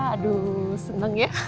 aduh seneng ya